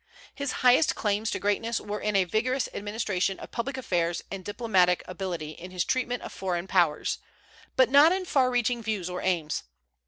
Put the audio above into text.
His highest claims to greatness were in a vigorous administration of public affairs and diplomatic ability in his treatment of foreign powers, but not in far reaching views or aims.